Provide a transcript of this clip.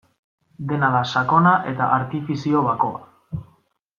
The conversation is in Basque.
Dena da sakona eta artifizio bakoa.